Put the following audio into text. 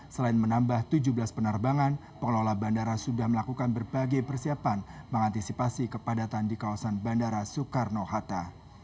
selain menambah tujuh belas penerbangan pengelola bandara sudah melakukan berbagai persiapan mengantisipasi kepadatan di kawasan bandara soekarno hatta